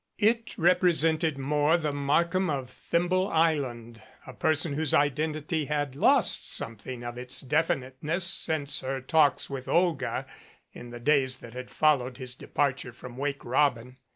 It represented more the Markham of Thimble Island, a person whose identity had lost something of its definiteness since her talks with Olga in the days that had followed his depar ture from "Wake Robin."